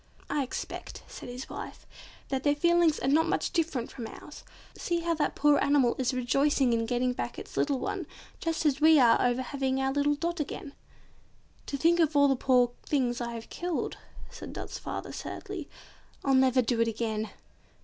"I expect," said his wife, "that their feelings are not much different from ours. See how that poor animal is rejoicing in getting back its little one, just as we are over having our little Dot again." "To think of all the poor things I have killed," said Dot's father sadly, "I'll never do it again."